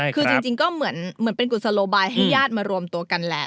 คือจริงก็เหมือนเป็นกุศโลบายให้ญาติมารวมตัวกันแหละ